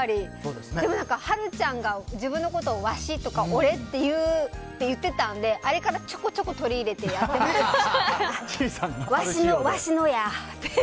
でも、波瑠ちゃんが自分のことをワシとか俺って言うって言ってたのであれから、ちょこちょこ千里さんが？ワシのやって。